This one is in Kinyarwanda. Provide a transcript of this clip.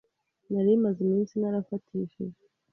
nari maze iminsi narafatishije